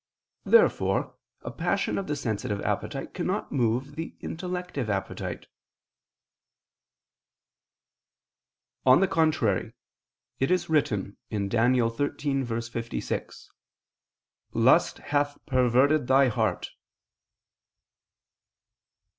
Therefore a passion of the sensitive appetite cannot move the intellective appetite. On the contrary, It is written (Dan. 13:56): "Lust hath perverted thy heart."